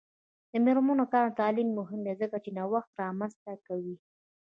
د میرمنو کار او تعلیم مهم دی ځکه چې نوښت رامنځته کوي.